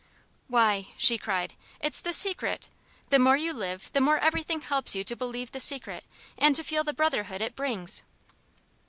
"Why!" she cried, "it's the Secret! The more you live, the more everything helps you to believe the Secret and to feel the brotherhood it brings."